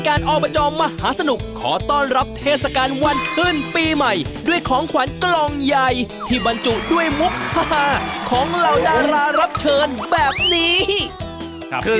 กคุยผมกับเขาไม่ต้องว่าอีกเรา